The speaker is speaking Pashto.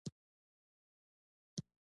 افغانستان د غزني امپراتورۍ مرکز و.